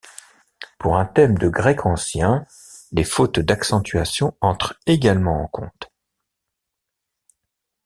Pour un thème de grec ancien, les fautes d'accentuation entrent également en compte.